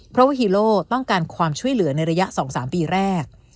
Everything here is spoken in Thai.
เพราะว่าฮีโร่ต้องการความช่วยเหลือในระยะ๒๓ปีแรก